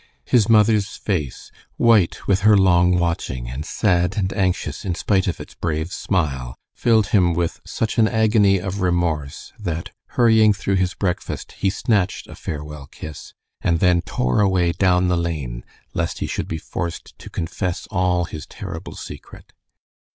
His mother's face, white with her long watching, and sad and anxious in spite of its brave smile, filled him with such an agony of remorse that, hurrying through his breakfast, he snatched a farewell kiss, and then tore away down the lane lest he should be forced to confess all his terrible secret.